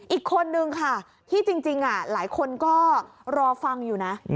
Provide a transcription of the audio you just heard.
อีกคนนึงค่ะที่จริงหลายคนก็รอฟังอยู่นะ